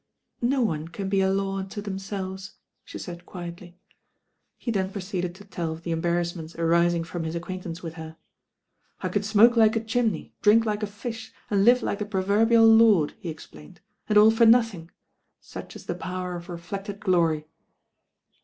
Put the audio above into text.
"No one can be a law unto themselves," she said quietly. He then proceeded to tell of the embarrassments arising from his acquaintance with her. "I could smoke like a chimney, drink like a fish, and hve Uke the proverbial lord," he explained, "and aU for nothing. Such is the power of reflected glory."